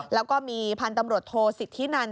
แล้วก็มีพันธุ์ตำรวจโทสิทธินัน